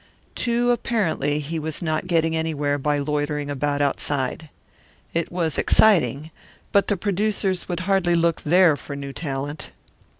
Too apparently he was not getting anywhere by loitering about outside. It was exciting, but the producers would hardly look there for new talent.